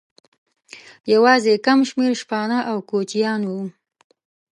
یوازې کم شمېر شپانه او کوچیان وو.